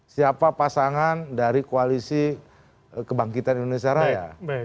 siapa pasangan dari koalisi kebangkitan indonesia raya